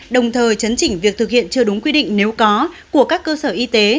đồng thời chấn chỉnh việc thực hiện chưa đúng quy định nếu có của các cơ sở y tế